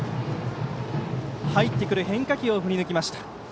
入ってくる変化球を振り抜きました。